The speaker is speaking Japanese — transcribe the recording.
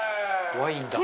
ワインだ。